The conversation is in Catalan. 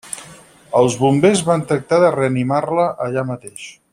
Els bombers van tractar de reanimar-la allà mateix.